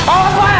awas pak ya